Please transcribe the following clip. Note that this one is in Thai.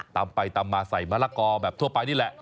ตำไปตำมาใส่มะละกอแบบทั่วไปนี่แหละ